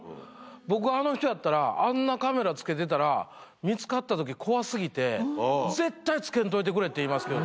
僕あの人やったらあんなカメラつけてたら見つかった時怖過ぎて絶対つけんといてくれって言いますけど。